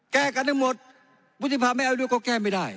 แก้กันทั้งหมดวุฒิภาไม่เอาด้วยก็แก้ไม่ได้